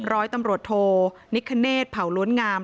ร้อยตำรวจโทนิคเนธเผาล้วนงาม